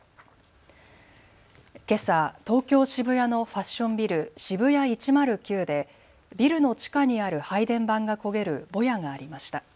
けさ東京渋谷のファッションビル、ＳＨＩＢＵＹＡ１０９でビルの地下にある配電盤が焦げるぼやがありました。